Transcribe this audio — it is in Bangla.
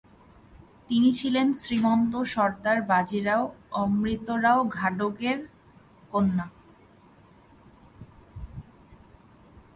তিনি ছিলেন শ্রীমন্ত সর্দার বাজিরাও অমৃতরাও ঘাটগের কন্যা।